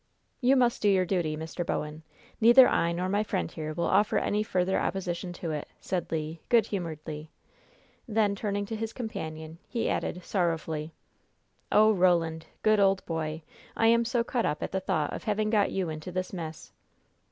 "You must do your duty, Mr. Bowen. Neither I nor my friend here will offer any further opposition to it," said Le, good humoredly. Then, turning to his companion, he added, sorrowfully: "Oh, Roland, good, old boy, I am so cut up at the thought of having got you into this mess!"